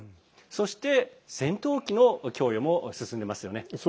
そして戦闘機の供与も進んでいますよね。